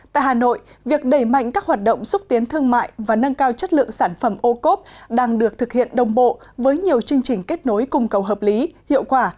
tại hà nội việc đẩy mạnh các hoạt động xúc tiến thương mại và nâng cao chất lượng sản phẩm ô cốp đang được thực hiện đồng bộ với nhiều chương trình kết nối cung cầu hợp lý hiệu quả